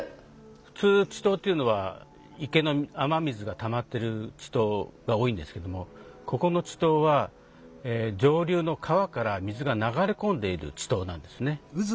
普通池溏っていうのは池の雨水がたまってる池溏が多いんですけどもここの池溏は上流の川から水が流れ込んでいる池溏なんですね。